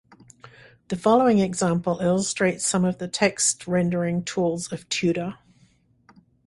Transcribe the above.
The following example illustrates some of the text rendering tools of Tutor.